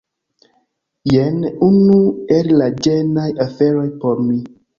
Jen unu el la ĝenaj aferoj por mi